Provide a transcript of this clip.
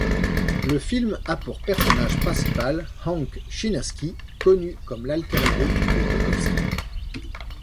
Le film a pour personnage principal Hank Chinaski, connu comme l'alter égo de Bukowski.